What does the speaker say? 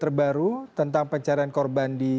ketiga puluhan tanggal bachusye dropped off